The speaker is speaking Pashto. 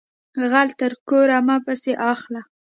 غل تر کوره مه پسی اخله